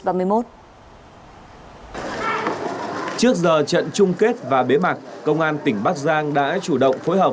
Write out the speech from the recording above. trước giờ trận chung kết và bế mạc công an tỉnh bắc giang đã chủ động phối hợp